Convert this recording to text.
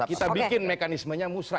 kita bikin mekanismenya musrah